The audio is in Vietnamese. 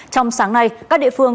trong sáng nay các địa phương